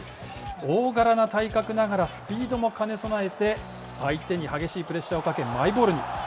大柄な体格ながらスピードも兼ね備えて、相手に激しいプレッシャーをかけマイボールに。